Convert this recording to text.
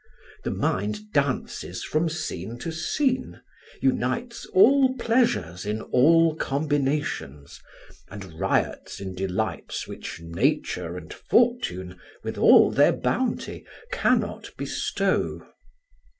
The mind dances from scene to scene, unites all pleasures in all combinations, and riots in delights which Nature and fortune, with all their bounty, cannot bestow.